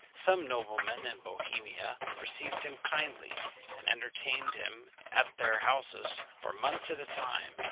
Some noblemen in Bohemia received him kindly, and entertained him at their houses for months at a time.